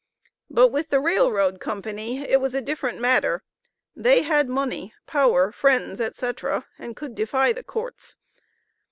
But with the Rail Road Company it was a different matter; they had money, power, friends, etc., and could defy the courts.